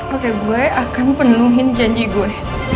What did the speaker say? oke gue akan penuhin janji gue